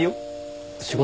仕事？